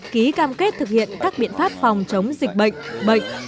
ký cam kết thực hiện các biện pháp phòng chống dịch bệnh